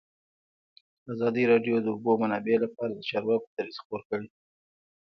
ازادي راډیو د د اوبو منابع لپاره د چارواکو دریځ خپور کړی.